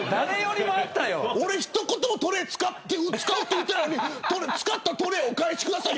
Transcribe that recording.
俺、一言もトレー使うと言っていないのに使ったトレーをお返しください。